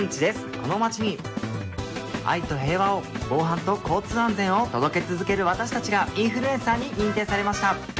この街に愛と平和を防犯と交通安全を届け続ける私たちがインフルエンサーに認定されました。